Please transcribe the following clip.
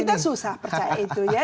kita susah percaya itu ya